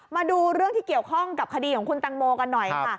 มาดูเรื่องที่เกี่ยวข้องกับคดีของคุณตังโมกันหน่อยค่ะ